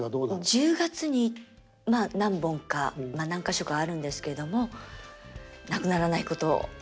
１０月にまあ何本か何か所かあるんですけどもなくならないことを祈るばかりです